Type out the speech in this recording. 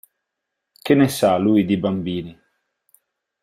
Che ne sa lui di bambini?